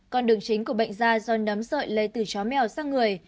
con đường chính của bệnh da do nấm sợi lây từ chó mèo sang người